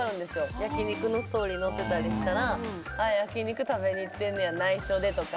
焼き肉のストーリーが載っていたりしたら焼き肉食べに行ってんねや内緒でとか。